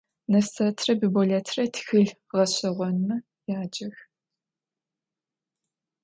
Nefsetre Biboletre txılh ğeş'eğonme yacex.